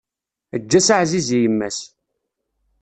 Eǧǧ-as aɛziz i yemma-s.